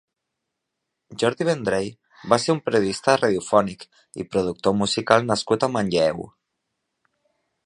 Jordi Vendrell va ser un periodista radiofònic i productor musical nascut a Manlleu.